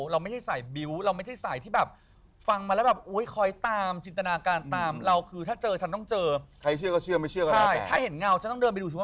เราไม่ใช่สายบิ๊วเราไม่ใช่สายที่แบบฟังมาแล้วแบบอุ้ยคอยตามจินตนาการตามเราคือถ้าเจอฉันต้องเจอ